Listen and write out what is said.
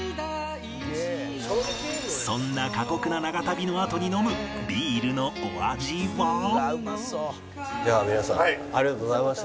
そんな過酷な長旅のあとに飲むでは皆さんありがとうございました。